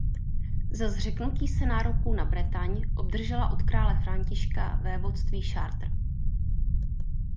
Za zřeknutí se nároků na Bretaň obdržela od krále Františka vévodství Chartres.